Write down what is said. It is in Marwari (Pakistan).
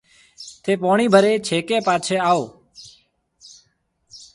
ٿَي پوڻِي ڀري ڇيڪي پاڇهيَ آو